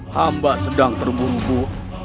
hamba sedang terbumbu